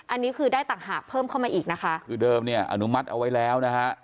อันนี้คือได้ต่างหากเพิ่มเข้ามาอีกนะคะคือเดิมเนี่ยอนุมัติเอาไว้แล้วนะฮะ